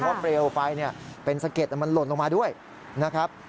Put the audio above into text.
เพราะเปลวไฟเป็นสะเก็ดมันหล่นลงมาด้วยนะครับ